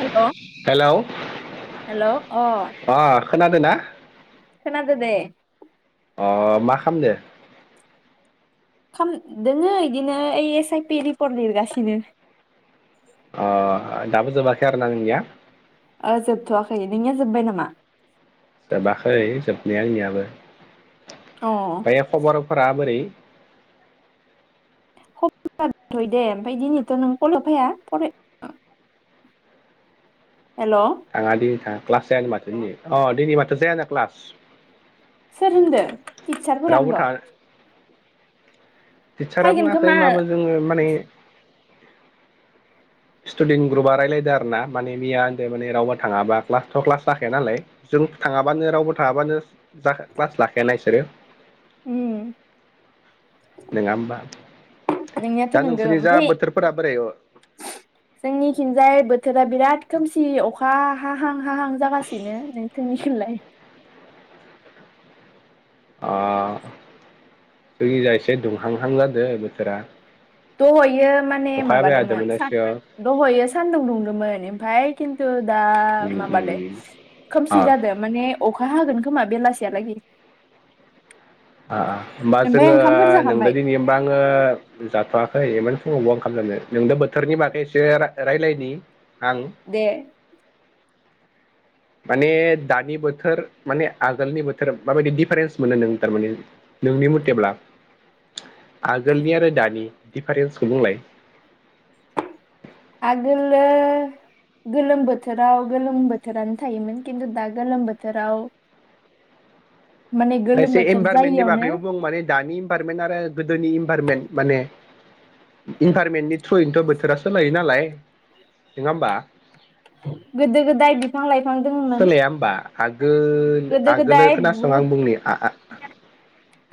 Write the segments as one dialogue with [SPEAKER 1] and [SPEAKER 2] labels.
[SPEAKER 1] Hello
[SPEAKER 2] hello
[SPEAKER 1] hello अ
[SPEAKER 2] खोनादों ना?
[SPEAKER 1] खोनादों दे
[SPEAKER 2] ओ मा खालामदो
[SPEAKER 1] खाम दोङो इदिनो ओइ एस आइ पि रिपर्ट लिरगासिनो
[SPEAKER 2] अ दाबो जोबाखै आरो ना नोंनिया
[SPEAKER 1] ओ जोबथ'वाखै नोंनिया जोब्बाय नामा
[SPEAKER 2] जोबाखै जोबनाया आंनियाबो
[SPEAKER 1] अ
[SPEAKER 2] फ्रायो खबरफोरा बोरै?
[SPEAKER 1] फैथ'आखै दे ओमफ्राय दिनैथ' नों कलाव फैया फराय हेल'
[SPEAKER 2] थाङा दिनै थाङा क्लास जाया माथो दिनै अ दिनै माथो जायानो क्लास।
[SPEAKER 1] सोर होनदो? टिचारफोरानो
[SPEAKER 2] रावबो था
[SPEAKER 1] होनद'?
[SPEAKER 2] टिचारा बुङाखै होनबाबो जोङो माने स्टुडेन्ट ग्रुपा रायलायदो आरो आरोना माने मिया होनदो माने रावबो थाङाबा क्लासथ' क्लास जाखाया नालाय जों थाङाबानो रावबो थाङाबानो जाखा क्लास लाखायाना इसोरो।
[SPEAKER 1] उम
[SPEAKER 2] नङा होमबा
[SPEAKER 1] नोंनायाथ'
[SPEAKER 2] दा
[SPEAKER 1] नंगौ
[SPEAKER 2] नोंसोरनि जा
[SPEAKER 1] ओमफाय
[SPEAKER 2] बोथोरफोरा बोरै
[SPEAKER 1] जोंनिथिंजाय बोथोरा बिराद खोमसि अखा हाहां हाहां जागासिनो नोंथ खिनलाय
[SPEAKER 2] ओ जोंनिजा एसे दुंहांहां जादों बोथोरा।
[SPEAKER 1] दहयो थार माने
[SPEAKER 2] अखाया बायादों
[SPEAKER 1] माबादोंमोन
[SPEAKER 2] मोनना
[SPEAKER 1] सान
[SPEAKER 2] सिगां
[SPEAKER 1] दहयो सानदुं दुंदोंमोन ओमफाय खिन्थु दा
[SPEAKER 2] उम
[SPEAKER 1] माबादो
[SPEAKER 2] उम अ
[SPEAKER 1] खोमसि जादो माने अखा हागोन खोमा बेलासियालागि।
[SPEAKER 2] ओ होमबा जोङो नोंबो
[SPEAKER 1] जाखांबाय
[SPEAKER 2] दिनै होमबा आङो जाथवा होइ इमान फुङाव अवा ओंखाम जानो? नोंदो बोथोरनि बागै एसे रा-रायलायनि
[SPEAKER 1] दे
[SPEAKER 2] माने दानि बोथोर माने आगोलनि बोथोर माबायदि डिफारेन्स मोनो नों थारमाने नोंनि मथेब्ला? आगोलनि आरो दानि डिफारेन्सखौ बुंलाय
[SPEAKER 1] आगोलो गोलोम बोथोराव गोलोम बोथोरानो थायोमोन खिन्थु दा गोलोम बोथोराव माने गोलोम
[SPEAKER 2] खायसे
[SPEAKER 1] बोथोर
[SPEAKER 2] इनभारनमेन्टनि
[SPEAKER 1] जायियावनो
[SPEAKER 2] बागैबो बुं माने दानि इनभारनमेन्ट आरो गोदोनि इनभारनमेन्ट माने इनभारनमेन्टनि थ्रयनोथ' बोथोरा सोलायो नालाय नोङा होमबा?
[SPEAKER 1] गोदो गोदाय बिफां लाइ
[SPEAKER 2] सोलाया होमबा? आगोल
[SPEAKER 1] गोदो
[SPEAKER 2] आगोलो
[SPEAKER 1] गोदाय
[SPEAKER 2] खोनासं आं
[SPEAKER 1] बुहुद
[SPEAKER 2] बुंनि आ आ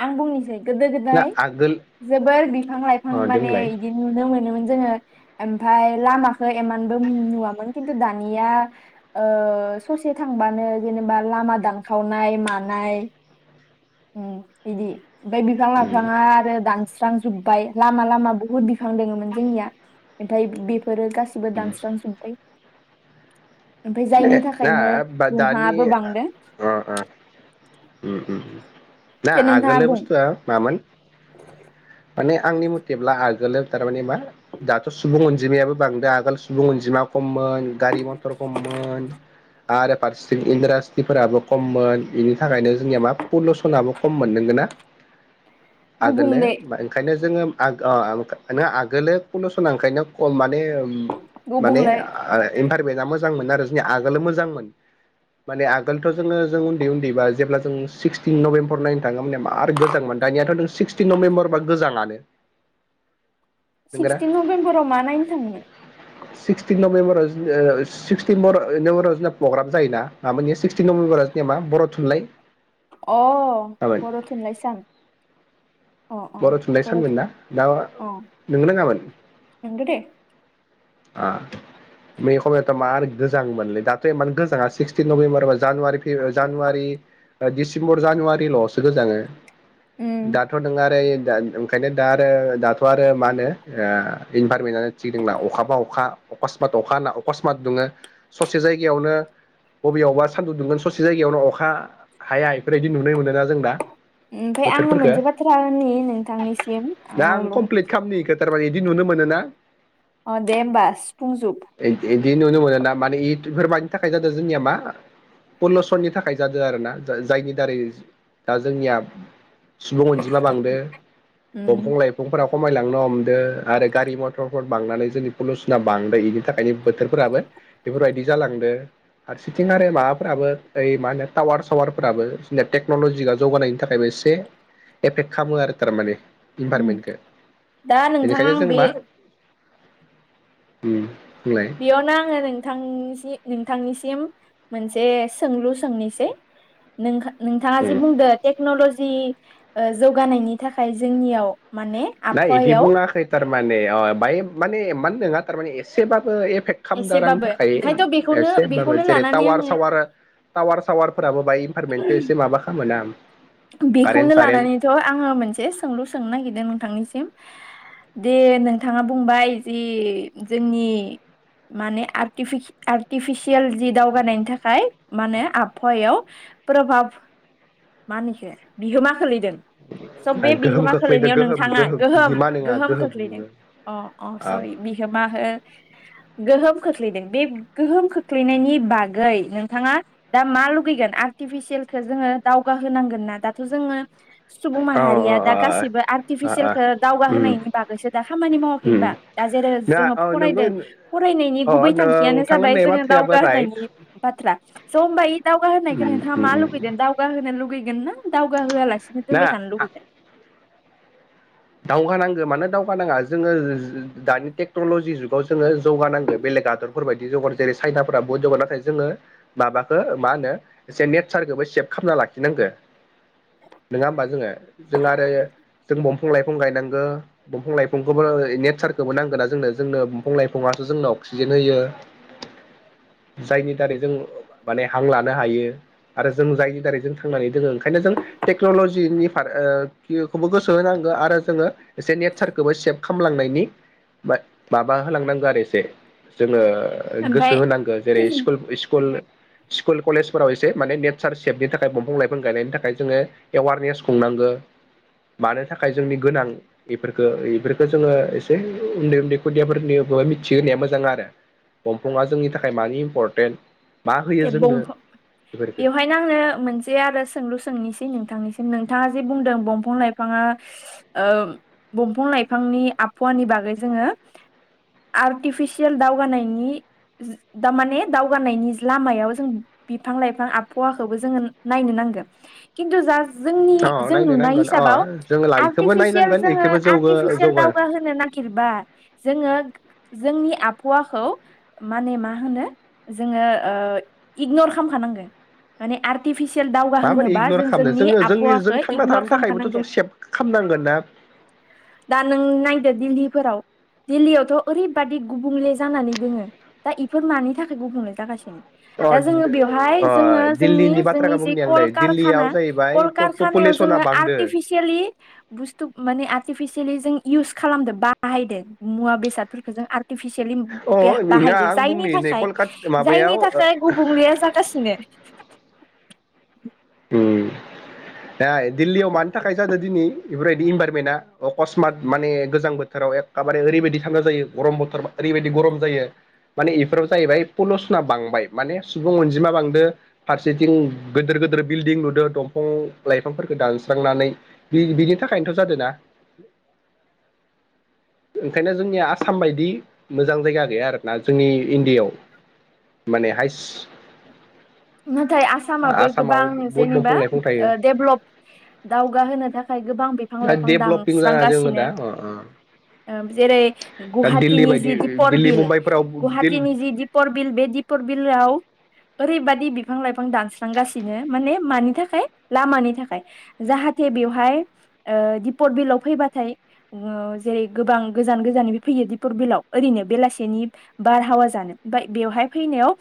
[SPEAKER 1] आं बुंनिसै गोदो
[SPEAKER 2] ना
[SPEAKER 1] गोदाय
[SPEAKER 2] आगोल
[SPEAKER 1] जोबोर बिफां लाइफां
[SPEAKER 2] अ
[SPEAKER 1] माने
[SPEAKER 2] देमोनलाय
[SPEAKER 1] बिदि नुनो मोन नोमोन जोङो ओमफाय लामाखौ एमानबो नुवामोन खिन्थु दानिया ओ ससे थांबानो जेनेबा लामा दानखावनाय मानाय ओ बिदि ओमफाय बिफां
[SPEAKER 2] उम
[SPEAKER 1] लाइफाङा आरो दानस्र दानजोबबाय लामा लामा बुहुत बिफां दोङोमोन जोंनिया ओमफाय बिब फोरो गासिबो
[SPEAKER 2] उम
[SPEAKER 1] दानस्रांजोबबाय ओमफाय जायनि
[SPEAKER 2] ना
[SPEAKER 1] थाखायनो
[SPEAKER 2] बा दानि
[SPEAKER 1] दुंहाबो बांदों।
[SPEAKER 2] अ अ उम उम ना
[SPEAKER 1] दे नोंथाङा
[SPEAKER 2] आगोलो
[SPEAKER 1] बुं
[SPEAKER 2] बुस्थुआ मामोन माने आंनि मथेब्ला आगोलाव थारमाने मा दाथ' सुबुं अनजिमायाबो बांदो आगोल सुबुं अनजिमा खममोन। गारि मथर खममोन आरो फारसेथिं इन्डास्ट्रिफोराबो खममोन थाखायनो जोंनिया मा पलुसनाबो खम मोन नोंगोना? आगोलो
[SPEAKER 1] गुबुंले
[SPEAKER 2] बा ओंखायनो जोङो। आग ओ ओंखाम नोङा आगोलो पलुसना ओखायनो खम मा ओम माने
[SPEAKER 1] गुबुंले
[SPEAKER 2] ओंखा फेबेका मोजांमोन आरो जोंनिया आगोलनो मोजांमोन माने आगोलथ' जोङो जों उनदै उनदैबा जेब्ला जों सिक्सटिन नभेम्बर नायनो थाङा माने मार गोजाङोमोन दानियाथ' नों सिक्सटिन नभेम्बरबा गोजाङानो नोंगोना
[SPEAKER 1] सिक्सटिन नभेम्बराव मा नायनो थाङोमोन।
[SPEAKER 2] सिक्सटिन नभेम्बराव जों ओ सिक्सटिनबर नभेम्बराव जोंना प्रग्राम जायो ना आ मानि सिक्सटिन नभेमबराव जोंनियाव मा बर' थुनलाइ
[SPEAKER 1] अ
[SPEAKER 2] मामोन
[SPEAKER 1] बर' थुनलाइ साम अ अ
[SPEAKER 2] थुनलाइ
[SPEAKER 1] बर'
[SPEAKER 2] सानमोन
[SPEAKER 1] थु
[SPEAKER 2] ना दा
[SPEAKER 1] अ
[SPEAKER 2] नों
[SPEAKER 1] नोंगो दे
[SPEAKER 2] आं मे खमायाथ मार गोजाङोमोनलै दा मान गोजाङा सिक्सटिन नभेम्बरा जानुव फे जानुवारि डिसेम्बर जानुवारिल'सो गोजाङो
[SPEAKER 1] उम
[SPEAKER 2] दाथ' नों आरो ओं ओंखायनो दा आरो दाथ' आरो मा होनो ओ फोरमायनानै थि नोंला अखाबा अखा अकसमात अखा होनना अकसमात दुङो ससे जायगायावनो बबेयावबा सान्दुं दुंगोन ससे जायगायावनो अखा हायाय फोरबायदि नुनाय मोनोना जोंना दा
[SPEAKER 1] ओमफ्राय आङो
[SPEAKER 2] बोथोरफोरखो
[SPEAKER 1] मोनसे बाथ्रा होननि नोंथांनिसिम अ
[SPEAKER 2] दा आं कमप्लिट खालामनि सोरबा इदि नुनो मोनो ना
[SPEAKER 1] अ दे होमबाथ सि बुंजोब
[SPEAKER 2] बि नुनो मोनो ना माने इफोरबादिनि थाखाय जादों जोंनिया मा पलुसननि थाखाय जादों आरो ना जायनि दारै दा जोंनिया सुबुं अनजिमा बांदो दंफां लाइफांफोराव खमायलांनो हमदो आरो गारि मथरफोन बांनानै जोंनि पलुसना बांदो इनि थाखायनो बोथोरफोराबो बेफोरबायदि जालांदो फारसिथिं आरो माबाफोराबो ओय मा होनो टावार सावार फोराबो जोंनिया टेकन'लजि जौगानायनि थाखायबो एसे एफेक्ट खालामो आरो थारमाने
[SPEAKER 1] उम
[SPEAKER 2] इनभारमेन्टखौ
[SPEAKER 1] दा नोंथां आं बे
[SPEAKER 2] उम
[SPEAKER 1] बेयावनो आङो नोंथांनि नोंथांनिसिम मोनसे सोंलु सोंनिसै नों नोंथाङा जि बुंदो टेक्न'लजि जि जौगानायनि थाखाय जोंनियाव माने
[SPEAKER 2] ना इदि
[SPEAKER 1] आबहावायाव
[SPEAKER 2] बुङा खैथा थारमाने अ बाय माने मानो नङा थारमाने एसेबाबो खालाम आंनि
[SPEAKER 1] एसेबाबो
[SPEAKER 2] थाखाय
[SPEAKER 1] ओंखायनोथ' बेखौनो
[SPEAKER 2] एसे होनबो
[SPEAKER 1] बेखौनो
[SPEAKER 2] जेरै
[SPEAKER 1] लानानै
[SPEAKER 2] टावार
[SPEAKER 1] आङो
[SPEAKER 2] सावार टावार सावार फोराबो बाहाय पारमेटखौ एसे माबा खालाम मोनाम।
[SPEAKER 1] बेखौनो लानानैथ' आङो मोनसे सोंलु सोंनो नागिरदों नोंथांनिसिम दे नोंथाङा बुंबाय जि जोंनि माने आर्टिफिसियेल जि दावगानायनि थाखाय मा होनो आबहावायाव प्रभाब मा होनखो बिहोमा खोलैदों। स' बे
[SPEAKER 2] गोहोम
[SPEAKER 1] बिहोमा
[SPEAKER 2] खोख्लैदो
[SPEAKER 1] खोलैनायाव
[SPEAKER 2] गोहोम
[SPEAKER 1] नोंथाङा गोहोम
[SPEAKER 2] बिहोमा नङा
[SPEAKER 1] गोहोम खोख्लैदों
[SPEAKER 2] बियो
[SPEAKER 1] अ अ सरि बिहोमा गोहोम। खोख्लैदों बे गोहोम खोख्लैनायनि बागै नोंथाङा दा मा लुगैगोन आर्टिफिसियेलखौ जोङो दा जौगा होनांगोन ना दाथ' जोङो सुबुं
[SPEAKER 2] औ
[SPEAKER 1] माहारिया दा
[SPEAKER 2] अ
[SPEAKER 1] गासिबो
[SPEAKER 2] अ अ
[SPEAKER 1] आर्टिफिसियेलखौो दावगा
[SPEAKER 2] उम
[SPEAKER 1] होनोनायनि बागैसो दा खामानि मावाखै
[SPEAKER 2] उम
[SPEAKER 1] हबा दा जेरै
[SPEAKER 2] ना
[SPEAKER 1] जोङो
[SPEAKER 2] औ नोंगौ
[SPEAKER 1] फरायदों फरायनायनि
[SPEAKER 2] अ
[SPEAKER 1] गुबै थांखियानो
[SPEAKER 2] नोंथां
[SPEAKER 1] जाबाय
[SPEAKER 2] होननाय
[SPEAKER 1] जोङो
[SPEAKER 2] बाथ्रायाबो
[SPEAKER 1] दावगा
[SPEAKER 2] राइट
[SPEAKER 1] होनायनि बाथ्रा स' होमबा बे दावगा होनायखौ
[SPEAKER 2] उम
[SPEAKER 1] नोंथाङा मा
[SPEAKER 2] उम
[SPEAKER 1] लुबैदों दावगा लुगैगोनना। दावगा होआलासिनो
[SPEAKER 2] ना
[SPEAKER 1] दोनबाय
[SPEAKER 2] आ
[SPEAKER 1] थानो लुुबैगोन।
[SPEAKER 2] दावगानांगो मानो दावग नाङा जोङो दानि टेक्नलजि जुगाव जोङो जौगानांगो बेलेग आदरफोर बायदि जौगानांग जेरै चाइनाफोरा बहुत जौगा नाथाय जोङो माबाखौ मा होनो ए नेचारखौबो सेभ खालामना लाखिनांगौ। नङा होमबा जोङो जों आरो जों बिफां लाइफां गायनांगौ दंफां लाइफांखौबो नेचारखौबो नांगोन ना जोंनो जोंनो दफां लाइफाङासो जोंनो अक्सिजेन होयो। जायनि दारै जों माने हां लानो हायो आरो जों जायनि दारै जों थांनानै दोङो ओंखायनो जों टेक्न'लजिनिारखौबो गोसो होनांगौ। आरो जोङो एसे नेचारखौबो सेभ खालामलांनायनि माबा होलांनांगौ आरो एसे जोङो गोसो
[SPEAKER 1] ओमफाय
[SPEAKER 2] होनांगौ जेरै स्कुल स्कुल स्कुल कलेजफोराव एसे माने नेचार सेफनि थाखाय दंफां लाइफां गायनायनि थाखाय जोङो एवारनेस खुंनांगौ मानो थाखाय थाखाय जोंनि गोनां बेफोरखौ बेफोरखौो जोङो एसे उन्दै उन्दै खुदियाफोरनि मिथिहोनाया मोजां आरो दंफाङा जोंनि थाखाय मानि इम्परटेन्ट मा होयो
[SPEAKER 1] दे
[SPEAKER 2] जोंनो बेफोरखौ
[SPEAKER 1] बेवहायनो आंनो मोनसे आरो सोंलु सोंनोसै नों नोंथांङा जे बुंदों दफां लाइफांनि आबहावानि बागै जों आरटिफिसियेल लामायाव जों बिफां लाइफां आबहावाखौबो जोङो नायनो नांगोन खिन्थु जा जोंनि
[SPEAKER 2] अ
[SPEAKER 1] जों
[SPEAKER 2] नायनो
[SPEAKER 1] नुनाय
[SPEAKER 2] नांगोन अ
[SPEAKER 1] हिसाबाव
[SPEAKER 2] जों लाइखौबो
[SPEAKER 1] आर्टिफिसियेल
[SPEAKER 2] नायनांगोन
[SPEAKER 1] जोङो
[SPEAKER 2] बेखौबो जौ
[SPEAKER 1] आर्टिफिसियेल
[SPEAKER 2] जौगा
[SPEAKER 1] दावग होनोनो नागिरबा जोङो जोंनि आबहावाखौ माने मा होनो जोङो। इगनर खालामखानांगोन माने दावगा
[SPEAKER 2] माबोरै
[SPEAKER 1] होनोबा
[SPEAKER 2] इगनर
[SPEAKER 1] जों
[SPEAKER 2] खालामनो
[SPEAKER 1] जोंनि
[SPEAKER 2] जोङो जों
[SPEAKER 1] आबहावाखौ
[SPEAKER 2] थांना
[SPEAKER 1] इगनर
[SPEAKER 2] थानो थाखायबोथ' जों
[SPEAKER 1] खालामखानांगोन
[SPEAKER 2] सेभ खालामनांगोन ना
[SPEAKER 1] दा नों नायदो दिलीफोराव दिल्लीयावथ' ओरैबादि गुबुंले जानानै दोङो दा इफोर मानि थाखाय गुबुंले जागासिनो?
[SPEAKER 2] अ
[SPEAKER 1] दा जो बेहाय जोङो
[SPEAKER 2] अ दिल्लीनि
[SPEAKER 1] ज
[SPEAKER 2] बाथ्राखौ
[SPEAKER 1] जनिा
[SPEAKER 2] बुंनि आं नै दिल्लीयाव जाहैबाय
[SPEAKER 1] क जोङ
[SPEAKER 2] पपुलेसना बांदो
[SPEAKER 1] आर्सिलि बुु म [unintelligible] एक्लि जों इउस खालामदो बाहायदो मुवा बेसादफोरखौ जों आरो आरटिफिसियेलि
[SPEAKER 2] अ नङा
[SPEAKER 1] बाहायदो
[SPEAKER 2] आं
[SPEAKER 1] जायनि
[SPEAKER 2] बुंनि नै
[SPEAKER 1] थाखाय
[SPEAKER 2] कलकाता
[SPEAKER 1] जायनि
[SPEAKER 2] माबायाव
[SPEAKER 1] थाखाय गुबुंलेया जागासिनो।
[SPEAKER 2] नाय दिल्लीयाव मानि थाखाय जादों दिनै बेफोरबायदि इनभाररमेन्टआ अकस्मात माने गोजां बोथोराव एखेबारे ओरैबायदि थान्दा जायो गरम बोथोर ओरैबायदि गरम जायो माने बेफोराव जाहैबाय पलिुसना बांबाय माने सुबुं अनजिमा बांदो फारसेथिं गिदोर गोिदोर बिल्डिं लुदों दंफां लाइफांफोरखौ दानस्रांनानै बिनि थाखायनोथ' जादों ना। ओंखायनो जोंनिया आसाम बायदि मोजां जायगा गैया आरोना जोंनि इण्डियाायाव माने हाइस्
[SPEAKER 1] नाथाय आसामाबो गोबां
[SPEAKER 2] बहुद
[SPEAKER 1] जेनेबा
[SPEAKER 2] दंफां लाइफां थायो
[SPEAKER 1] डेभ्लप दावगाहोनो थाखाय गोबां बिफां
[SPEAKER 2] दा
[SPEAKER 1] लाइफां
[SPEAKER 2] डेभलपिं जाना जोङो
[SPEAKER 1] दानस्रांगासिनो।
[SPEAKER 2] दा अ अ
[SPEAKER 1] जेरै
[SPEAKER 2] दा दिल्ली
[SPEAKER 1] गुवाहाटिनि
[SPEAKER 2] बायदि
[SPEAKER 1] जि दिपर
[SPEAKER 2] दिल्ली
[SPEAKER 1] बिल
[SPEAKER 2] मुम्बाइफोराव
[SPEAKER 1] गुवाहाटिीनि जि दिपर बिल बे दिपर बिलआव अरै बदि दि बिफां लाइफां दानस्रांगासिनो माने मानि थाखाय लामानि थाखाय जाहाथे बेवहाय ओ दिपर बिलाव फैबाथाय ओ जेरै गोबां गोजान गोजानबो फैयो दिपर बिलाव ओरैनो बेलासेनि बारहावा जानो फ्राय बेवहाय फैनायाव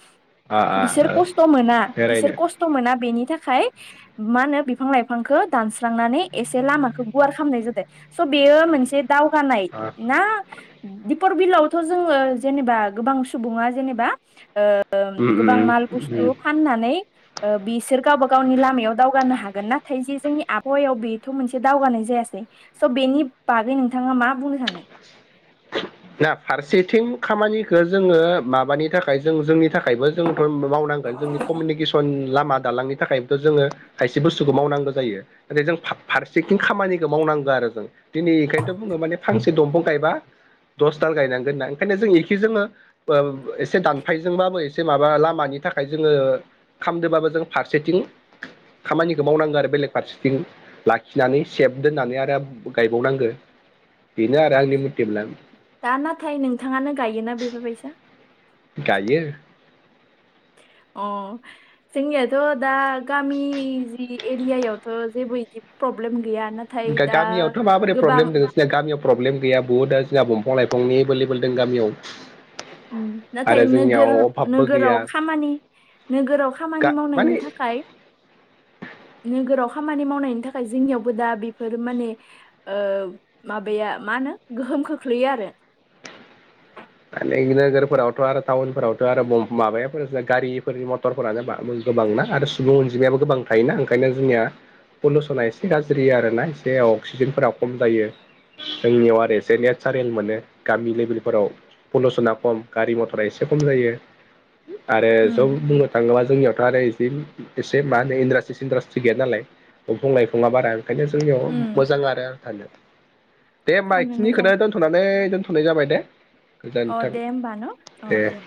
[SPEAKER 2] आ- आ
[SPEAKER 1] बिसोर
[SPEAKER 2] ओ।
[SPEAKER 1] खस्थ' मोना बिसोर
[SPEAKER 2] बेरायनो
[SPEAKER 1] खस्थ' मोना बेनि थाखाय। मा होनो बिफां लाइफांखौ दानस्रांनानै एसे लामाखौ गुवार खालामनाय जादों स बे मोनसे दावनाय
[SPEAKER 2] आ
[SPEAKER 1] ना दी पर बिलआवथ' जोङो जेनेबा गोबां सुबुङा जेनेबा ओ ओ
[SPEAKER 2] उम
[SPEAKER 1] गोबां
[SPEAKER 2] उम
[SPEAKER 1] माल बुसतु जु
[SPEAKER 2] उम
[SPEAKER 1] फाननानै ओ बिसोर गावबा गावनि लामायाव दावगानो हागोन नाथाय जे जोंनि आबहावायाव बेथ' मोनसे दावगानाय जायासै स' बेनि बागै नोंथाङा मा बुंनो सानो?
[SPEAKER 2] ना फारसेथिं खामानिखौ जोङो माबानि थाखाय जों जोंनि थाखाय थाखायबो जोंथ' मावनांगोन जोंनि कमिउनिकेसन लामा दालांनि थाखायथ' जोङो खायसे बुस्थुखौ मावनांगौ जायो नाथाय जों फारसेथि खामानिखौ मावनांगौ आरो जों दिनै बेखायनोथ' बुङो माने फांसे दंफां गायबा दस दाल गायनांगोन होना ओंखायनो जों एखे जोङो एसे दानफायजोंबाबो एसे माबा लामानि थाखाय जोङो खामदोंबाबो जों फारसेथिं खामानिखौ मावनांगौ आरो बेलेग फारसेथिं लाखिनानै सेब दोननानै आरो गायबावनांगो बेनो आरो आंनि। [unintelligible]
[SPEAKER 1] दा नाथाय नोंथाङानो गायोना बेफोरबायसा।
[SPEAKER 2] गायो।
[SPEAKER 1] अ जोंनियाथ' दा गामि जि एरियायावथ' जेबो बिदि प्रब्लेम गैया नाथाय दा
[SPEAKER 2] गामियावथ' माबोरै
[SPEAKER 1] गोबां
[SPEAKER 2] प्रब्लेम दङ सिया गामियाव प्रब्लेम गैया बुहुत दा जोंहा दंफां लाइफांनि एभलेबोेल दं गामियाव।
[SPEAKER 1] उम नाथाय
[SPEAKER 2] आरो जोंनियाव
[SPEAKER 1] नोगोर
[SPEAKER 2] अभाबबो गैया
[SPEAKER 1] नोगाम नोगोराव खामानि
[SPEAKER 2] गा माने
[SPEAKER 1] मावनायनि थाखाय नोगोराव खामानि मावनायनि थाखाय जोंनियावबो दा बेफोर माने ओ माबाया मा होनो गोहोम खोख्लैयो आरो।
[SPEAKER 2] नोगोर फरावथ' आरो टाउनफोरावथ' आरो माबायाव गारिफोर मथ क्टरफोरानो गोबांना [unintelligible] आरो सुबुं अनजिमायाबो गोबां थायोना ओंखायनो जोंनिया पलिुउसना एसे गाज्रि आरोना एसे अक्सिजेनफोरा खम जायो जोंनियाव आरो एसे नेचारेल मोनो गामि लेभेलफोराव। पलिुसना खम गारि मथरा एसे खम जायो। आरो
[SPEAKER 1] उम
[SPEAKER 2] जब बुंनो थाङोब्ला जोंनियावथ' आरो इदि एसे मा होनो इन्डास्ट्रि सिनडासट्रि गैया नालाय दंफां लाइफाङा बारा ओंखायनो जोंनियाव
[SPEAKER 1] उम
[SPEAKER 2] मोजां आरो [unintelligible] दे होनबा
[SPEAKER 1] साननो मोजां
[SPEAKER 2] इखिनिखौनो दोनथ'नानै दोन हानाय जाबाय दे
[SPEAKER 1] अ
[SPEAKER 2] गोजोन्थों
[SPEAKER 1] दे होनबा ना अ दे